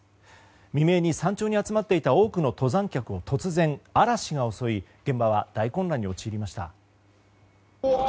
未明に山頂に集まっていた多くの登山客を突然、嵐が襲い現場は大混乱に陥りました。